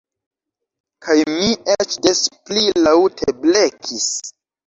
Kaj mi eĉ des pli laŭte blekis.